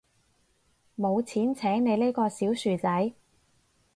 有錢請你呢個小薯仔